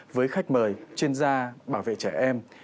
với khách mời chuyên gia bảo vệ trẻ em